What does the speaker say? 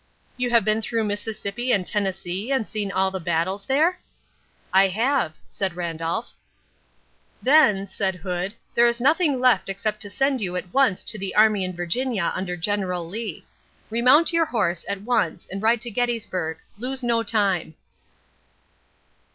"You have been through Mississippi and Tennessee and seen all the battles there?" "I have," said Randolph. "Then," said Hood, "there is nothing left except to send you at once to the army in Virginia under General Lee. Remount your horse at once and ride to Gettysburg. Lose no time."